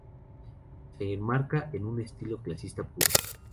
Se enmarca en un estilo clasicista puro.